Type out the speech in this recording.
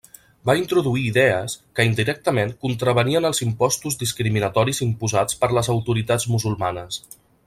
Va introduir idees que, indirectament, contravenien els impostos discriminatoris imposats per les autoritats musulmanes.